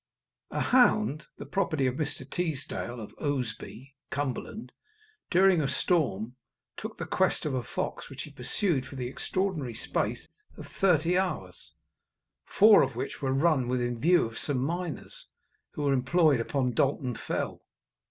A hound, the property of Mr. Teasdale of Ousby, Cumberland, during a storm, took the quest of a fox, which he pursued for the extraordinary space of thirty hours, four of which were run within view of some miners, who were employed upon Dalton Fell.